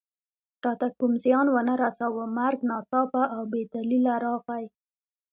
راته کوم زیان و نه رساوه، مرګ ناڅاپه او بې دلیله راغی.